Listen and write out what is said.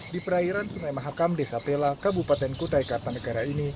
di perairan sungai mahakam desa pela kabupaten kutai kartanegara ini